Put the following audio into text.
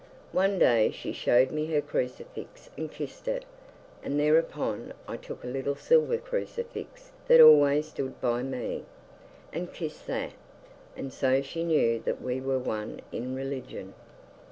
One day she showed me her crucifix and kissed it, and thereupon I took a little silver crucifix that always stood by me, and kissed that, and so she knew that we were one in religion.